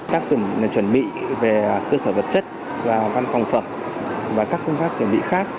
các tỉnh chuẩn bị về cơ sở vật chất vào văn phòng phẩm và các công tác chuẩn bị khác